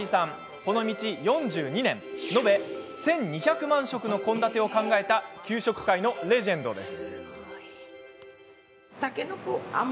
この道４２年延べ１２００万食の献立を考えた給食界のレジェンドです。